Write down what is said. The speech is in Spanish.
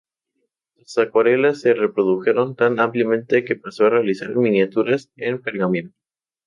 Sus acuarelas se reprodujeron tan ampliamente que pasó a realizar miniaturas en pergamino.